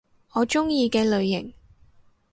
我鍾意嘅類型